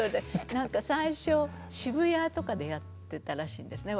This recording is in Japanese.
何か最初渋谷とかでやってたらしいんですね。